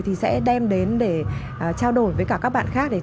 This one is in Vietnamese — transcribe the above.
thì sẽ đem đến để trao đổi với cả các bạn khác